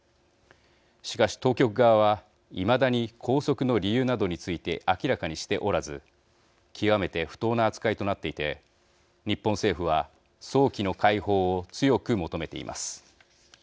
しかし当局側はいまだに拘束の理由などについて明らかにしておらず極めて不当な扱いとなっていて日本政府は早期の解放を強く求めています。